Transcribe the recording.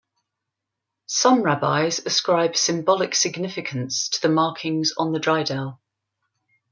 Some rabbis ascribe symbolic significance to the markings on the dreidel.